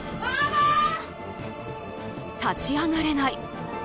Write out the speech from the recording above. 立ち上がれない。